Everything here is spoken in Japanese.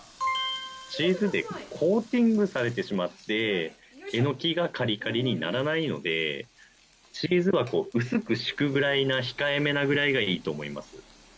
チーズでコーティングされてしまってエノキがカリカリにならないのでチーズは薄く敷くくらいな控えめなくらいがいいと思います。